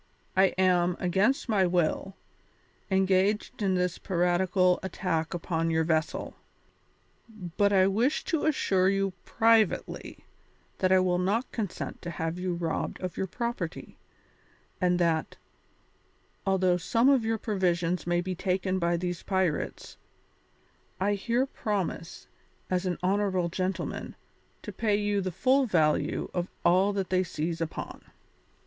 I am, against my will, engaged in this piratical attack upon your vessel, but I wish to assure you privately that I will not consent to have you robbed of your property, and that, although some of your provisions may be taken by these pirates, I here promise, as an honourable gentleman, to pay you the full value of all that they seize upon."